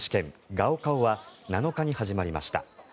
高考は７日に始まりました。